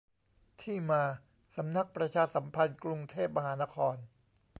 ที่มา : สำนักงานประชาสัมพันธ์ กรุงเทพมหานคร